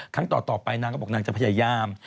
ครั้งต่อไปนางก็บอกนางจะพยายาม